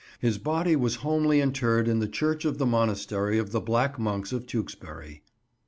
His body was homely interred in the church of the monastery of the black monks of Tewkesbury."